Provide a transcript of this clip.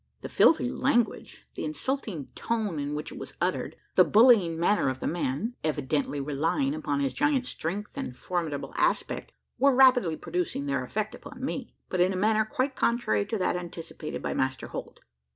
The filthy language, the insulting tone in which it was uttered, the bullying manner of the man evidently relying upon his giant strength, and formidable aspect were rapidly producing their effect upon me; but in a manner quite contrary to that anticipated by Master Holt.